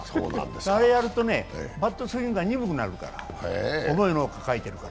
あれやるとバットスイングが鈍くなるから、重いもの抱えてると。